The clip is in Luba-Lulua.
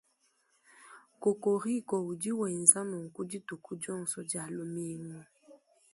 Kokoriko udi wenza nunku dituku dionso dia lumingu.